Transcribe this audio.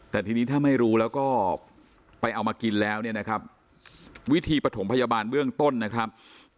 แต่ทีนี้ถ้าไม่รู้แล้วก็ไปเอามากินแล้วเนี่ยนะครับวิธีปฐมพยาบาลเบื้องต้นนะครับ